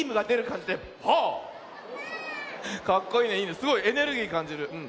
すごいエネルギーかんじる。